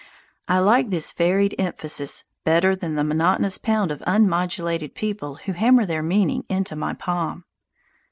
I like this varied emphasis better than the monotonous pound of unmodulated people who hammer their meaning into my palm.